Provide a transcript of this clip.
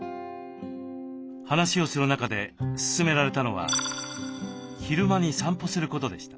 話をする中で勧められたのは昼間に散歩することでした。